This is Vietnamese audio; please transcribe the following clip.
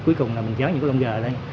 cuối cùng là mình dán những cái lông gà